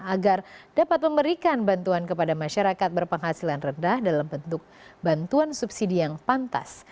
agar dapat memberikan bantuan kepada masyarakat berpenghasilan rendah dalam bentuk bantuan subsidi yang pantas